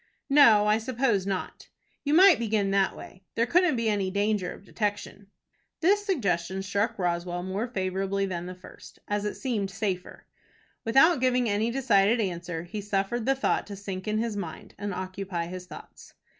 "No, I suppose not." "You might begin that way. There couldn't be any danger of detection." This suggestion struck Roswell more favorably than the first, as it seemed safer. Without giving any decided answer, he suffered the thought to sink into his mind, and occupy his thoughts.